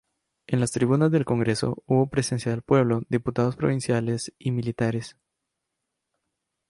En las tribunas del Congreso, hubo presencia del pueblo, diputados provinciales y militares.